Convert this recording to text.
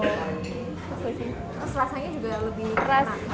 terus rasanya juga lebih berat